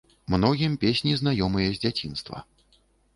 Многім песні знаёмыя з дзяцінства.